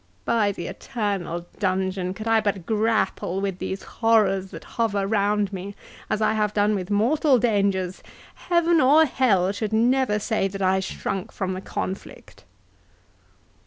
—By the eternal dungeon, could I but grapple with these horrors that hover round me, as I have done with mortal dangers, heaven or hell should never say that I shrunk from the conflict!"